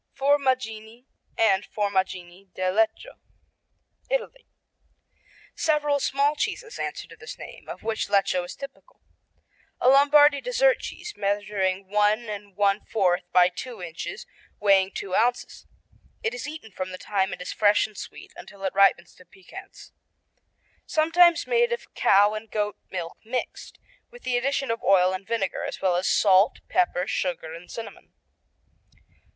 Formaggini, and Formaggini di Lecco Italy Several small cheeses answer to this name, of which Lecco is typical. A Lombardy dessert cheese measuring 1 1/4 by two inches, weighing two ounces. It is eaten from the time it is fresh and sweet until it ripens to piquance. Sometimes made of cow and goat milk mixed, with the addition of oil and vinegar, as well as salt, pepper, sugar and cinnamon.